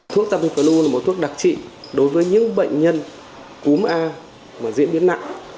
thuốc tamiflu là một thuốc đặc trị đối với những bệnh nhân cúm a và diễn biến nặng